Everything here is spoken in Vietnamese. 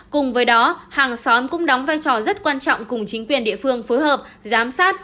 cùng với đó hàng xóm cũng đóng vai trò rất quan trọng cùng chính quyền địa phương phối hợp giám sát